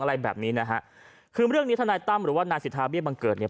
อะไรแบบนี้นะฮะคือเรื่องนี้ทนายตั้มหรือว่านายสิทธาเบี้ยบังเกิดเนี่ย